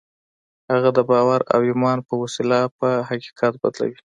هغه د باور او ايمان په وسيله پر حقيقت بدلوي.